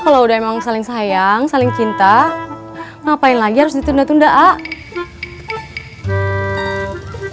kalau udah emang saling sayang saling cinta ngapain lagi harus ditunda tunda a